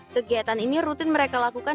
kegiatan ini rutin mereka lakukan